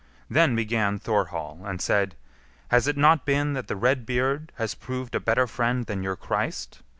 Then began Thorhall, and said, "Has it not been that the Redbeard has proved a better friend than your Christ?